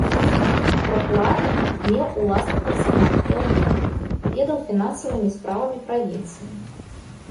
Пракуратар меў уласны персанал і агентаў, ведаў фінансавымі справамі правінцыі.